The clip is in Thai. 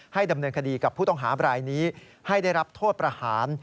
ดำเนินคดีกับผู้ต้องหาบรายนี้ให้ได้รับโทษประหาร